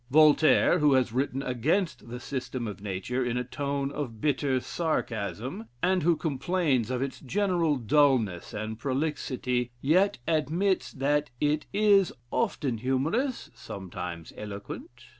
Voltaire, who has written against the "System of Nature" in a tone of bitter sarcasm, and who complains of its general dullness and prolixity, yet admits that it is "often humorous, sometimes eloquent."